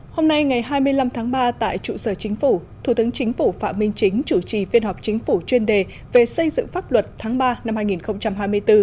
hôm nay ngày hai mươi năm tháng ba tại trụ sở chính phủ thủ tướng chính phủ phạm minh chính chủ trì phiên họp chính phủ chuyên đề về xây dựng pháp luật tháng ba năm hai nghìn hai mươi bốn